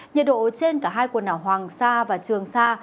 nhiệt độ trên cả hai quần đảo hoàng sa và trường sa